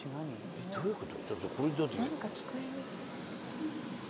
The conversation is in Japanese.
えっどういう事？